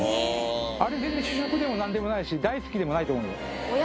あれ、全然主食でもなんでもないし、大好きでもないと思うよ。